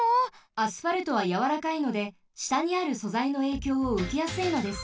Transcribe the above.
アスファルトはやわらかいのでしたにあるそざいのえいきょうをうけやすいのです。